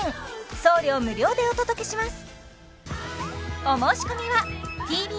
送料無料でお届けします